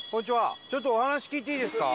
ちょっとお話聞いていいですか？